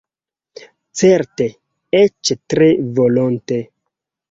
Certe, eĉ tre volonte.